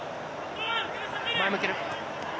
前向ける。